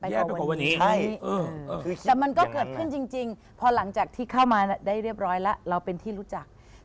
แย่กว่าวันนี้ใช่คือคิดอย่างนั้นแต่มันก็เกิดขึ้นจริงพอหลังจากที่เข้ามาได้เรียบร้อยแล้วเราเป็นที่รู้จัก